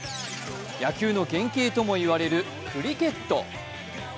野球の原型ともいわれるクリケット。